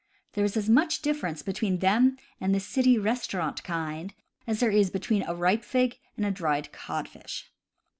There is as much difference between them and the city res taurant kind as there is between a ripe fig and a dried codfish.